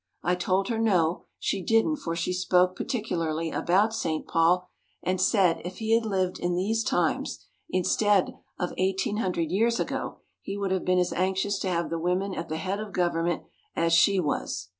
I told her, no, she didn't for she spoke particularly about St. Paul and said if he had lived in these times, instead of 1800 years ago, he would have been as anxious to have the women at the head of the government as she was.